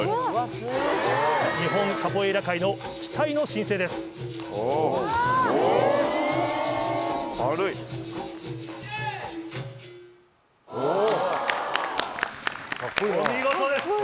日本カポエイラ界の期待の新星です。おお！お見事です！